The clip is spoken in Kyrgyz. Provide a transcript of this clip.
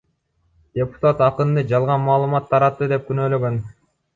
Депутат акынды жалган маалымат таратты деп күнөөлөгөн.